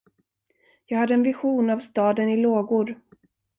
Jag hade en vision av staden i lågor.